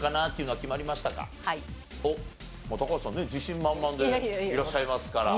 自信満々でいらっしゃいますから。